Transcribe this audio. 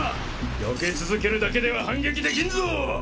よけ続けるだけでは反撃できんぞ！